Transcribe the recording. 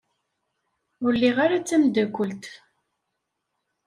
Ur liɣ ara tameddakelt.